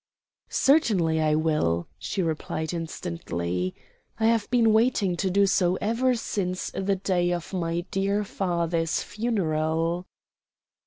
"Certainly I will," she replied instantly. "I have been waiting to do so ever since the day of my dear father's funeral."